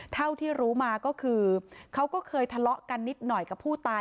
เท่าที่รู้มาก็คือเขาก็เคยทะเลาะกันนิดหน่อยกับผู้ตาย